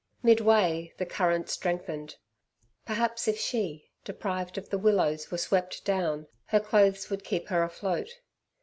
Midway the current strengthened. Perhaps if she, deprived of the willows, were swept down, her clothes would keep her afloat.